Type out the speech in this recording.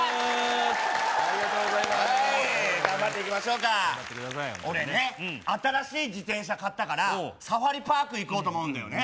ありがとうございます頑張っていきましょうか俺ね新しい自転車買ったからサファリパーク行こうと思うんだよね